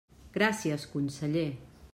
Gràcies, conseller.